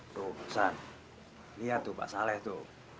tuh bursan lihat tuh pak saleh tuh